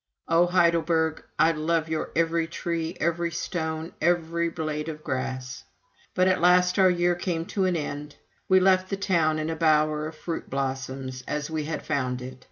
O Heidelberg I love your every tree, every stone, every blade of grass! But at last our year came to an end. We left the town in a bower of fruit blossoms, as we had found it.